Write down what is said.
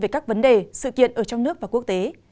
về các vấn đề sự kiện ở trong nước và quốc tế